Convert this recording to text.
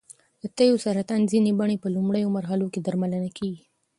د تیو سرطان ځینې بڼې په لومړیو مرحلو کې درملنه کېږي.